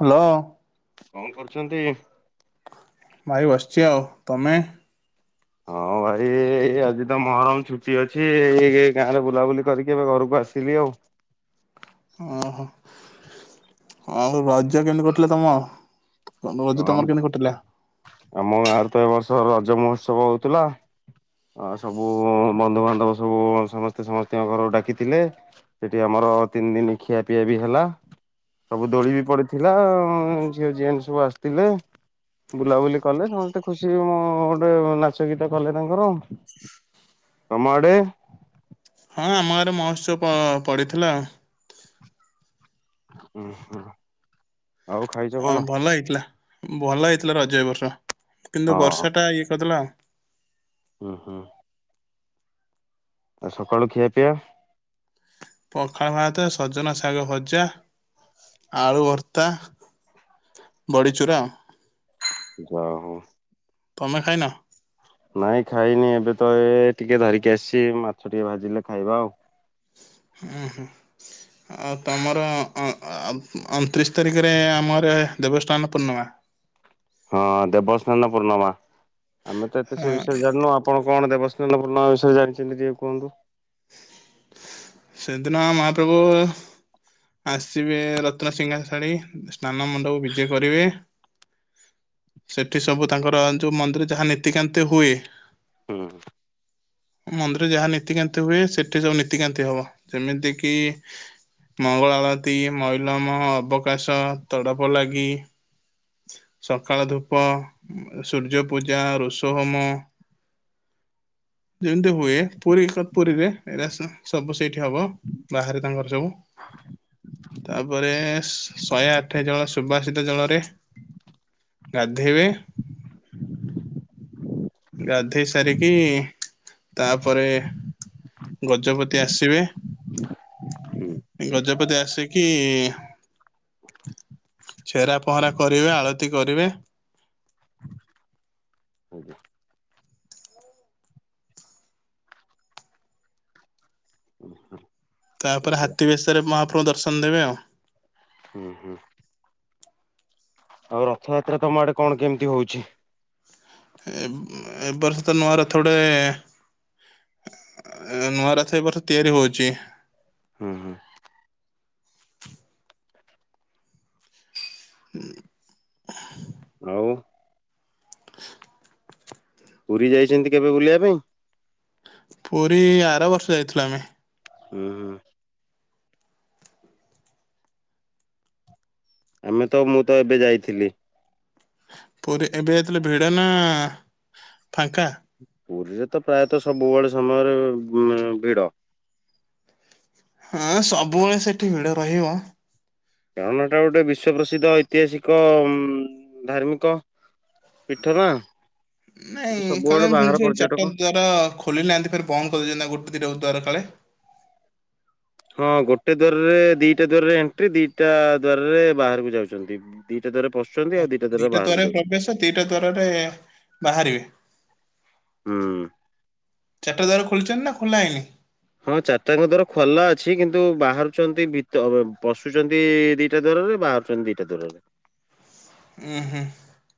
Hello. କଣ କରୁଛନ୍ତି? ଭାଇ ବସିଛି ଆଉ ତମେ? ହଁ ଭାଇ ଏ ଆଜି ତ ମହରମ ଛୁଟି ଅଛି ଏଇ ଗାଁରେ ବୁଲାବୁଲି କରିକି ଏବେ ଘରକୁ ଆସ। ଆସିଲି ଆଉ। ଓହୋ, ଆଉ ରଜ କେମିତି କଟିଲା ତମ ହଁ ଜ ତମର କେମିତି କଟିଲା? ଆମ ଗାଁରେ ତ ଏ ବର୍ଷ ରଜ ମହୋତ୍ସବ ହଉଥିଲା। ଆ ସବୁ ବନ୍ଧୁବାନ୍ଧବ ସବୁ ସମସ୍ତେ ସମସ୍ତଙ୍କ ଘରକୁ ଡାକିଥିଲେ। ସେଠି ଆମର ତିନିଦିନ ଖିଆ ପିଆ ବି ହେଲା। ସବୁ ଦୋଳି ବି ପଡିଥିଲା ଝିଅଝିଆଣି ସବୁ ଆସିଥିଲେ। ବୁଲାବୁଲି କଲେ ସମସ୍ତେ ଖୁସି ମୁ ଗୋଟେ ନାଚ ଗୀତ କଲେ ତାଙ୍କର ଆଉ ତମ ଆଡ଼େ ହଁ ଆମ ଆଡ଼େ ମହତ୍ସ ପଡ଼ିଥିଲା। ହୁ, ହୁଁ। ଆଉ ଖାଇଛ ଆ କଣ ଭଲ ହେଇଥିଲା ଭଲ ହେଇଥିଲା ରଜ ବର୍ଷ ହଁ କିନ୍ତୁ ବର୍ଷା ଟା ଇଏ କରିଦେଲା ଆଉ ଉଁ, ହୁଁ। ଆଉ ସକାଳୁ ଖିଆ ପିଆ। ପଖାଳ ଭାତ ସଜନା ଶାଗ ଭଜା, ଆଳୁ ଭର୍ତ୍ତା ବଡ଼ିଚୁରା। ଯାଆ ହଉ। ତମେ ଖାଇ ନା। ନାଇଁ ଖାଇନି ଏବେ ତ ଏ ଟିକେ ଧରିକି ଆସିଛି ମାଛ ଟିକେ ଭାଜିଲେ ଖାଇବା ଆଉ। ଉଁ ହୁଁ ଆଉ ତମର ଅଣତିରିଶ ତାରିଖରେ ଆମର ଦେବସ୍ଥାନ ପୂର୍ଣ୍ଣିମା। ହଁ ଦେବସ୍ନାନ ପୂର୍ଣ୍ଣିମା ଆମେ ତ ଏତେ ସେ ହଁ ବିଷୟରେ ଜାଣିନୁ ଆପ ଆପଣ କଣ ଦେବସ୍ନେନ ପୂଣ୍ଣାମା ବିଷୟରେ ଜାଣିଛନ୍ତି ଟିକେ କୁହନ୍ତୁ। [inaudible] ସେଦିନା ମହାପ୍ରଭୁ ଆସିବେ ରତ୍ନସିିଂହ ଶାଳୀ ସ୍ନାନ ମୁଣ୍ଡପକୁ ବିଜେ କରିବେ। ସେଠି ସବୁ ତାଙ୍କର ଯଉ ମନ୍ଦିରରେ ଯାହା ନୀତିକାନ୍ତି ହୁଏ। ହୁଁ। ମନ୍ଦିରରେ ଯାହା ନୀତିକାନ୍ତି ହୁଏ ସେଠି ସବୁ ନୀତିକାନ୍ତି ହବ ଯେମିତି କିି ମଙ୍ଗଳ ଆଳତି, ମଇଲମ ଅବକାଶ, ତଡପ ଲାଗି ସକାଳ ଧୂପ, ସୂର୍ଯ୍ୟ ପୂଜା, ଋଷ ହୋମ ଯେମିତି ହୁଏ ପୁରୀ କତ୍ ପୁରୀରେ ଏଇଟା ସବୁ ସେଇଠି ହବ ବାହାରେ ତାଙ୍କର ସବୁ ତାପରେ ଶହେ ଆଠ ଜଳ ସୁବାସିିତ ଜଳରେ ଗାଧୋଇବେ। ଗାଧେଇ ସାରିକି ତାପରେ ଗଜପତି ଆସିବେ ଗଜପତି ଆସିକି ଛେରା ପହଁରା କରିବେ, ଆଳତି କରିବେ ହୁଁ ତାପରେ ହାତୀ ବେଶରେ ମହାପ୍ରଭୁ ଦର୍ଶନ ଦେବେ ଆଉ। ହୁଁ ହୁଁ। ଆଉ ରଥଯାତ୍ରା ତୁମ ଆଡ଼େ କଣ କେମିତି ହଉଛି। ଏ ଏ ବର୍ଷ ତ ନୁଆ ରଥୋଡ଼େ ନୂଆରଥ ଏ ବର୍ଷ ତିଆରି ହଉଛି। ହୁଁ ହୁଁ। [unintelligible] ଆଉ [inaudible] ପୁରୀ ଯାଇଛନ୍ତି କେବେ ବୁଲିବା ପାଇଁ। ପୁରୀ ଆର ବର୍ଷ ଯାଇଥିଲୁ ଆମେ। ଉଁ, ଉଁ। ଆମେ ତ ମୁଁ ତ ଏବେ ଯାଇଥିଲି। ପୁରୀ ଏବେ ଯାଇଥିଲା ଭିଡ଼ ନା ଫାଙ୍କା ପୁରୀରେ ତ ପ୍ରାୟତଃ ସବୁବେଳେ ସମୟରେ ଭିଡ। ହଁ ସବୁବେଳେ ସେଠି ଭିଡ଼ ରହିବ। ଧାମଟା ଗୋଟେ ବିଶ୍ଵ ପ୍ର୍ରସିଦ୍ଧ ଐତିହାସିକ ଉ ଧାର୍ମିକ ପୀଠ ନା ସେଠି ନାଇଁ ସବୁଆଡେ କାଳେ ମୁଁ ବାହାର ସେଇ ପର୍ଯ୍ୟଟକ ଚାରିଟା ଦ୍ଵାର ଖୋଲିଲିନାହାନ୍ତି ଫେରେ ବନ୍ଦ କରିଦଇଛନ୍ତି ଗୋଟେ ଦିଟା ଦ୍ୱାର କାଳେ। ହଁ ଗୋଟେ ଦ୍ୱାରରେ ଦିଟା ଦ୍ୱାରରେ ଏଣ୍ଟ୍ରି ଦିଟା ଦ୍ୱାରରେ ବାହାରକୁ ଯାଉଛନ୍ତି। ଦିଟା ଦ୍ୱାରରେ ପଶୁଛନ୍ତି ଆଉ ଦିଟା ଦ୍ୱାରରେ ଦ୍ଵାରରେ ବାହାରକୁ ଯାଉଛନ୍ତି। ପ୍ରବେଶ ଦିଟା ଦ୍ଵାରରେ ବାହାରିବେ ହୁଁ। ଚାରିଟା ଦ୍ୱାର ଖୋଲିଛନ୍ତି ନା ଖୋଲା ହେଇନି? ହଁ ଚାରିଟାଙ୍କ ଦ୍ୱାର ଖୋଲା ଅଛି। କିନ୍ତୁ ବାହାରୁଛନ୍ତି ଭିତ ପଶୁଛନ୍ତି ଦିଟା ଦ୍ୱାରରେ ବାହାରୁ ଚନ୍ତି ଦିଟା ଦ୍ବାରରେ। ଉଁମ୍ ହୁଁ।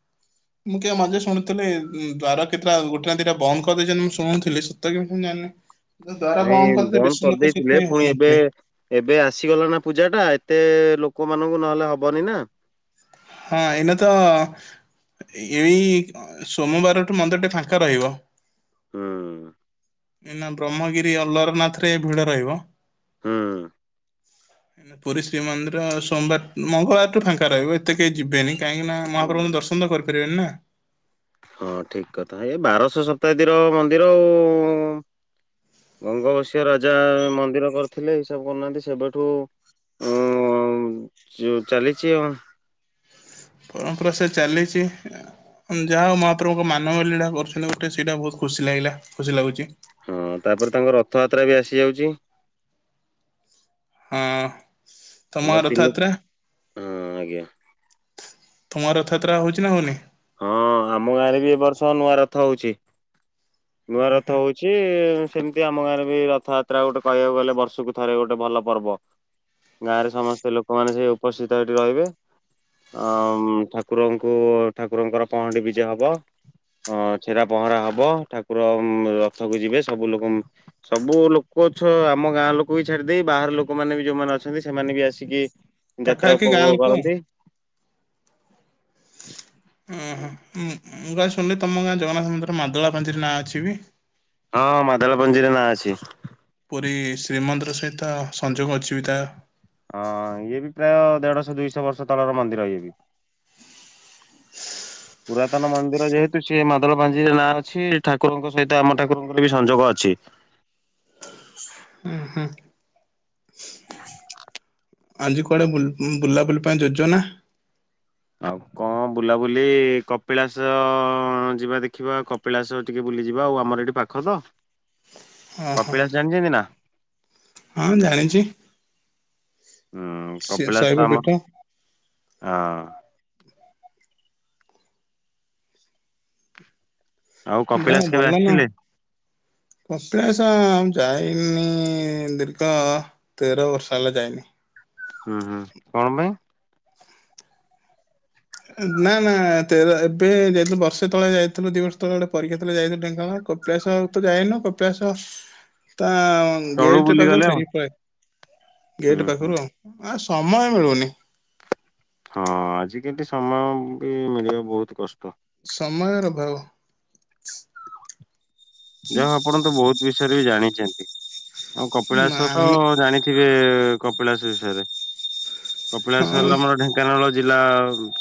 ହଁ। [unintelligible] [inaudible] ମୁଁ କେବେ ମଝିରେ ଶୁଣୁଥିଲି ଦ୍ବାର କେତେଟା ଗୋଟେ ନା ଦିଟା ବନ୍ଦ କରିଦେଇଛନ୍ତି, ମୁଁ ଶୁଣୁଥିଲି। ସତ କି ମିଛ ଜାଣିନି। ଯଦି ଦ୍ୱାର ନାଇଁ ବନ୍ଦ କରିଦେବେ ବେଶୀ ଲୋକ କରିଦେଇଥିଲେ ସେଥିପାଇଁ ପୁଣି ଏବେ ହଉନଥିବେ। ଏବେ ଆସିଗଲା ନା ପୂଜାଟା ଏତେ ଲୋକମାନଙ୍କୁ ନହେଲେ ହବନି ନା! ହଁ ଏଇନା ତ, ଏଇ ସୋମବାରଠୁ ମନ୍ଦିର ଟିକେ ଫାଙ୍କା ରହିବ। ହୁଁ। ଏଇନା ବ୍ରହ୍ମଗିରି ଅଲାରନାଥରେ ଭିଡ ରହିବ। ହୁଁ। ପୁରୀ ଶ୍ରୀ ମନ୍ଦିର ସୋମବାର ମଙ୍ଗଳବାରଠୁ ଫାଙ୍କା ରହିବ ଏତେ କେହି ଯିବେନି। କାହିଁକି ନା ହୁଁ ମହାପ୍ରଭୁଙ୍କୁ ଦର୍ଶନ ତ କରିପାରିବେନି ନା! ହଁ ଠିକ କଥା। ଇଏ ବାରଶହ ଶତାବ୍ଦୀର ମନ୍ଦିର ଆଉ। ଗଙ୍ଗବଶୀୟ ରାଜା ମନ୍ଦିର କରିଥିଲେ ହିସାବ କରୁନାହାଁନ୍ତି ସେବେଠୁ। ଆ ଚ ଚାଲିଛି ହ। ପରମ୍ପରା ସେ ଚାଲିଛି। ଯାହା ହଉ ମହାପ୍ରଭୁଙ୍କ ମାନବ ଲୀଳା କରୁଥିଲେ ଗୋଟେ ସେଇଟା ବୋହୁତ ଖୁସି ଲାଗିଲା ଖୁସି ଲାଗୁଛି। ହଁ ତାପରେ ତାଙ୍କର ରଥଯାତ୍ରା ବି ଆସି ଯାଉଛି। ହଁ ତମ ଆମର ଗାଁ ତିନି ହଁ ରଥଯାତ୍ରା? ଆଜ୍ଞା ତମ ଗାଁରେ ରଥଯାତ୍ରା ହଉଛି ନା ହଉନି? ହଁ ଆମ ଗାଁରେ ବି ଏବ ବର୍ଷ ନୂଆ ରଥ ହଉଛି। ନୂଆ ରଥ ହଉଛି ସେମିତି ଆମ ଗାଁରେ ବି ରଥଯାତ୍ରା ଗୋଟେ କହିବାକୁ ଗଲେ ବର୍ଷକୁ ଥରେ ଗୋଟେ ଭଲ ପର୍ବ। ଗାଁରେ ସମସ୍ତେ ଲୋକମାନେ ସେଇ ଉପସ୍ଥିତ ସେଇଠି ରହିବେ। ଆ ମ୍ ଠାକୁରଙ୍କୁ ଠାକୁରଙ୍କର ପହଣ୍ଡି ବିଜେ ହବ। ଆ ଛେରା ପହଁରା ହବ ଠାକୁର ଉମ୍ ରଥକୁ ଯିବେ ସବୁ ଲୋକ ସବୁ ଲୋକ ଛ ଆମ ଗାଁ ଲୋକ ବି ଛାଡ଼ିଦେଇ ବାହାର ଲୋକମାନେ ବି ଯୋଉମାନେ ଅଛନ୍ତି ସେମାନେ ବି ଆସିକି ଯାତ୍ରା ପାଖାପାଖି ଗାଁ ଉପଭୋଗ ଲୋକ ଆଉ। କରନ୍ତି। ଓହୋ ମୁଁ ମୁଁ କାଳେ ଶୁଣିଲି ତମ ଗାଁ ଜଗନ୍ନାଥ ମନ୍ଦିର ମାଦଳା ପାଞ୍ଜିରେ ନାଁ ଅଛି ବି? ହଁଁ ମାଦଳାପାଞ୍ଜି ରେ ନାଁ ଅଛି। ପୁରୀ ଶ୍ରୀମନ୍ଦିର ସହିତ ସଂଯୋଗ ଅଛି ବି ତା ହଁ ଇଏ ବି ପ୍ରାୟ ଦେଢଶହ ଦୁଇଶହ ବର୍ଷ ତଳର ମନ୍ଦିର ଇଏ ବି! ହଁ। [unintelligible] [inaudible] ପୁରାତନ ମନ୍ଦିର ଯେହେତୁ ସିଏ ମାଦଳ ପାଞ୍ଜିରେ ନାଁ ଅଛି। ଠାକୁରଙ୍କ ସହିତ ଆମ ଠାକୁରଙ୍କର ବି ସଂଯୋଗ ଅଛି। ଉମ୍ ହୁଁ। ଆଜି କୁଆଡ଼େ ବୁଲ୍ ବୁଲାବୁଲି ପାଇଁ ଯୋଜନା? ଆଉ କଣ ବୁଲାବୁଲି କପିଳାସ ଯିବା ଦେଖିବା। କପ ପିଳାସ ଟିକେ ବୁଲିଯିବା ଆଉ ଆମର ଏଠି ପାଖ ତ। ଓହୋ କପିଳାସ ଜାଣିଛନ୍ତି ନା? ହଁ ଜାଣିଛି। ହଁ ସେ କପିଳାଶ ତ ଶୈବ ପୀଠ ଆମର ଆ ଆଉ କପିଳାସ ଯାଅ କେବେ ଭଲ ନା! ଆସିଥିଲେ? କପିଳାସ ଆଉ ଯାଇନି ଦିର୍ଘ ତେର ବର୍ଷ ହେଲା ଯାଇନି। ହୁଁ ହୁଁ। କଣ ପାଇଁ? ନା ନା ତେର ଏବେ ଯାଇଥିଲୁ ବର୍ଷେ ତଳେ ଯାଇଥିଲୁ, ଦି ବର୍ଷ ତଳେ ଗୋଟେ ପରୀକ୍ଷା ଥିଲା ଯାଇଥିଲୁ ଢେଙ୍କାନାଳ। ଖୋ କପିଳାସ ତ ଯାଇନୁ, କପିଳାସ ତା ତଳୁ ଗେଟ ବୁଲିଗଲେ ପାଖରୁ ଆଉ। ଫେରିକି ପଳେଇ ଆ ଗେଟ୍ ହୁଁ ହୁଁ ପାଖରୁ ଆଉ, ଆଉ ସମୟ ମିଳୁନି। ହଁ ଆଜିକାଲି ସମୟ ବି ମିଳିବ ବହୁତ କଷ୍ଟ। ସମୟର ଅଭାବ। ଯାହଉ ଆପଣ ତ ବହୁତ ବିଷୟରେ ବି ଜାଣିଛନ୍ତି, ଆଉ ନା କପିଳାସ ତ ଆମେ ଜାଣିଥିବେ। ଥିବେ କପିଳାସ ବିଷୟରେ, କପିଳାସ ହଁ ହେଲା ଆମର ଢେଙ୍କା ଙ୍କାନାଳ ଜିଲ୍ଲା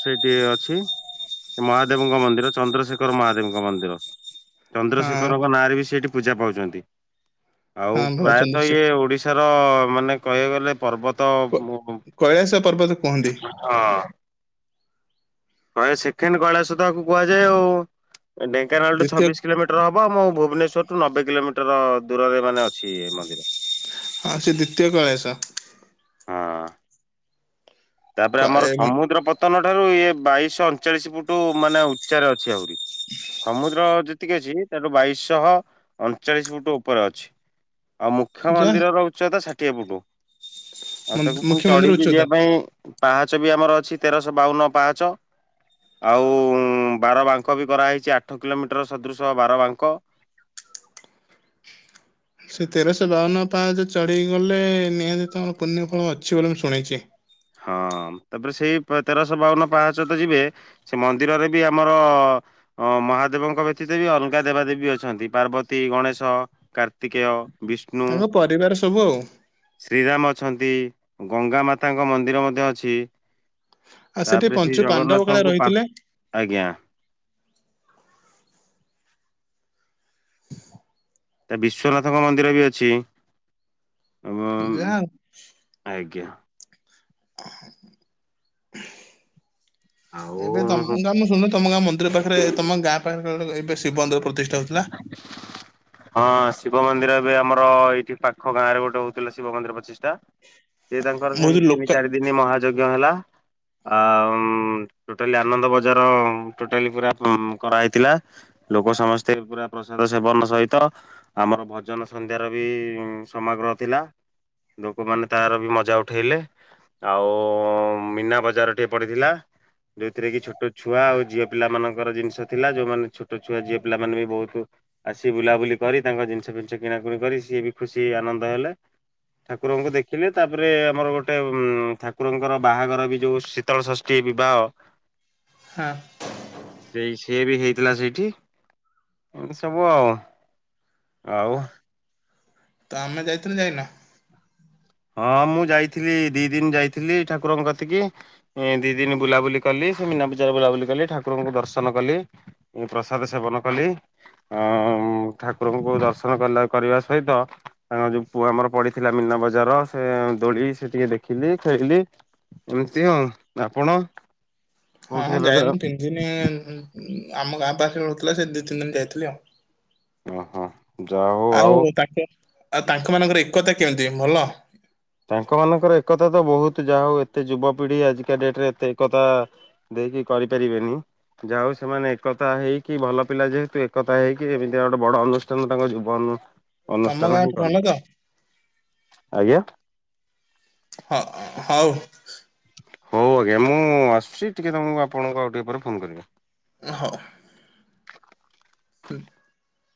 ସେଇଠି ଅଛି। ମହାଦେବଙ୍କ ମନ୍ଦିର, ଚନ୍ଦ୍ରଶେଖର ମହାଦେବଙ୍କ ମନ୍ଦିର, ଚନ୍ଦ୍ରଶେଖର ହଁ ନାରେ ବି ସେଠି ପୂଜା ପାଉଛନ୍ତି, ଆଉ ହଁ ଭ ପ୍ରାୟତଃ ଇଏ ଚନ୍ଦ୍ରଶେଖର ଓଡିଶା ର ମାନେ କହିବାକୁ ଗଲେ ପର୍ବତ କ-କୈଳାସ ପର୍ବତ କୁହନ୍ତି। ହଁ। କ ସେକେଣ୍ଡ କୈଳାସ ତାକୁ କୁହାଯାଏ ଆଉ, ଏ ଢେଙ୍କାନାଳ ଟା ଦ୍ଵିତୀୟ ଛବିଶ କିଲୋମି ଟର ହବ ମୁଁ ଭୁବନେଶ୍ଵର ରୁ ନବେ କିଲୋମିଟର ଦୂରରେ ମାନେ ଅଛି ମନ୍ଦିର। ହଁ ସେ ଦ୍ୱିତୀୟ କୈଳାସ। ହଁ। ତାପରେ କ ଆମର ଏମି ସମୁଦ୍ର ପତନ ଠାରୁ ଇଏ ବାଇଶ ଅଣଚାଳିଶ ଫୁଟ ମାନେ ଉଚ୍ଚାରେ ଅଛି ଆହୁରି। ସମୁଦ୍ର ଯେତିକି ଅଛି, ତାଠୁ ବାଇଶଶହ ଅଣଚାଳିଶି ଫୁଟ ଉପରେ ଅଛି। ଆଉ ମୁଖ୍ୟ ଯା ମନ୍ଦିରର ଉଚ୍ଚତା ଷାଠିଏ ଫୁଟୁ, ଆଉ ମନ୍ଦି ତାକୁ ମୁଖ୍ୟ ପୁଣି ମନ୍ଦିର ଚଢିକି ଉଚ୍ଚତା ଯିବା ପାଇଁ ପାହାଚ ବି ଆମର ଅଛି, ତେରଶହ ବାଉନ ପାହାଚ। ଆଉ ବାରବାଙ୍କ ବି କରାହୋଇଛି, ଆଠ କିଲୋମିଟର ସଦୃଶ ବାରବାଙ୍କ। ସେ ତେରଶହ ବାଉନ ପାହାଚ ଚଢିକି ଗଲେ ନିହାତି ତମର ପୁଣ୍ୟ ଫଳ ଅଛି ବୋଲି ମୁଁ ଶୁଣିଛି। ହଁ, ତାପରେ ସେଇ ତେରଶହ ବାଉନ ପାହାଞ୍ଚ ତ ଯିବେ ସେ ମନ୍ଦିରରେ ବି ଆମର ଅ ମହାଦେବଙ୍କ ବ୍ୟତୀତ ବି ଅଲଗା ଦେବାଦେବୀ ଅଛନ୍ତି, ପାର୍ବତୀ, ଗଣେଶ, କାର୍ତ୍ତିକେୟ ବିଷ୍ଣୁ, ତାଙ୍କ ପରିବାର ସବୁ ଆଉ ଶ୍ରୀରାମ ଅଛନ୍ତି, ଗଙ୍ଗା ମାତା ଙ୍କ ମନ୍ଦିର ମଧ୍ୟ ଅଛି, ଆଉ ସେଠି ତାପରେ ଶ୍ରୀ ପଞ୍ଚୁ ପାଣ୍ଡବ କାଳେ ଜଗନ୍ନାଥଙ୍କୁ ରହିଥିଲେ ପା-ଆଜ୍ଞା। ତା ବିଶ୍ଵନାଥଙ୍କ ମନ୍ଦିର ବି ଅଛି, ଏବଂ ଯାହା ଆଜ୍ଞା। ଆଉ ଏବେ ତମେ ମୁଁ ଶୁଣୀନୁ ତମ ଗାଁ ମନ୍ଦିର ପାଖରେ, ତମ ଗାଁ ପାଖରେ ଏବେ ଶିବ ମନ୍ଦିର ପ୍ରତିଷ୍ଠା ହଉଥିଲା। ହଁ ଶିବ ମନ୍ଦିର ଏବେ ଆମର ଏଇଠି ପାଖ ଗାଁ ରେ ଗୋଟେ ହଉଥିଲା ଶିବ ମନ୍ଦିର ପ୍ରତିଷ୍ଠା। ସେ ତାଙ୍କର ବହୁତ ସେମିତି ଲୋକ ତିନି ଚାରି ଦିନ ମହାଯଜ୍ଞ ହେଲା। ଆ-ଉଁ ଟୋଟାଲି ଆନନ୍ଦ ବଜାର ଟୋଟାଲି ପୁରା କରାହେଇଥିଲା। ଲୋକ ସମସ୍ତେ ପୁରା ପ୍ରସାଦ ସେବନ ସହିତ ଆମର ଭଜନ ସନ୍ଧ୍ୟାର ବି ସମାଗ୍ରହ ଥିଲା। ଲୋକମାନେ ତାର ବି ମଜା ଉଠେଇଲେ। ଆଉ ମୀନା ବଜାର ଟିକେ ପଡ଼ିଥିଲା। ଯୋଉଥିରେ କି ଛୋଟ ଛୁଆ ଆଉ ଝିଅ ପିଲାମାନଙ୍କର ଜିନିଷ ଥିଲା, ଯୋଉମାନେ ଛୋଟ ଛୁଆ ଝିଅ ପିଲାମାନେ ବି ବହୁତ ଆସି ବୁଲାବୁଲି କରି, ତାଙ୍କ ଜିନିଷ ଫିନିସ କିଣାକୁଣି କରି ସିଏ ବି ଖୁସି ଆନନ୍ଦ ହେଲେ। ଠାକୁରଙ୍କୁ ଦେଖିଲେ, ତାପରେ ଆମର ଗୋଟେ ଉଁ-ଠାକୁରଙ୍କର ବାହାଘର ବି ଯୋଉ ସି ତଳ ଷଷ୍ଠୀ ବିବାହ ହଁ। ସେଇ ସିୟେ ବି ହେଇଥିଲା ସେଇଠି। ଏମିତି ସବୁ ଆଉ, ଆଉ ତମେ ଯାଇଥିଲ ନା ଯାଇନ? ହଁ ମୁଁ ଯାଇଥିଲି ଦି ଦିନ ଯାଇଥିଲି ଠାକୁରଙ୍କ କତିକି। ଏ ଦି ଦିନ ବୁଲାବୁଲି କଲି ସେ ମୀନା ବଜାରେ ବୁଲାବୁଲି କଲି ଠାକୁରଙ୍କୁ ଦର୍ଶନ କଲି। ମୁଁ ପ୍ରସାଦ ସେବନ କଲି। ଅ ଠାକୁରଙ୍କୁ ଦର୍ଶନ କ କରିବା ସହିତ ତାଙ୍କ ଯୋଉ ପୁଅ ଆମର ପଡିଥିଲା ମୀନା ବଜାର ସେ ଦୋଳି ସେ ଟିକେ ଦେଖିଲି, ଖେଳିଲି ଏମିତି ହଁ ଆପଣ? କୋଉଠି ହଁଁ ଏବେ ଯାଇନୁ ତିନିଦିନ। ଆମ ଗାଁ ପାଖରେ ହଉଥିଲା ସେ ଦି ତିନି ଦିନ ଯାଇଥିଲି ଆଉ। ଓହୋ। ଯା ହଉ ଆଉ ତାଙ୍କ ଆଉ ତାଙ୍କମାନଙ୍କର ଏକତା କେମିତି ଭଲ? ତାଙ୍କମାନଙ୍କର ଏକତା ତ ବହୁତ ଯାହା ହଉ ଏତେ ଯୁବପିଢି ଆଜିକା ଡେଟରେ ଏତେ ଏକତା ଦେଇକି କରିପାରିବେନି। ଯାଉ ସେମାନେ ଏକତା ହେଇକି ଭଲ ପିଲା ଯେହେତୁ ଏକତା ହେଇକି ଏମିତି ଗୋଟେ ବଡ ଅନୁଷ୍ଠାନ ତାଙ୍କ ଜୀବନ ତମ ଅନୁଷ୍ଠାନ ଗାଁଠୁ ହିଁ ଭଲ କଲେ। ତ? ଆଜ୍ଞା ହଁ ହଉ। ହଉ ଆଜ୍ଞା ମୁଁ ଆସୁଛି ଟିକେ ତୁମକୁ ଆପଣଙ୍କ ଆଉ ଟିକେ ଉପ ପରେ ଫୋନ୍ କରିବା ହଁ। ହୁଁ।